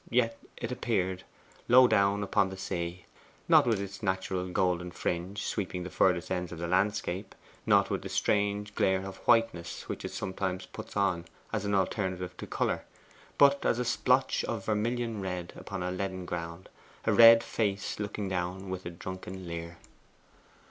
Yet it appeared, low down upon the sea. Not with its natural golden fringe, sweeping the furthest ends of the landscape, not with the strange glare of whiteness which it sometimes puts on as an alternative to colour, but as a splotch of vermilion red upon a leaden ground a red face looking on with a drunken leer.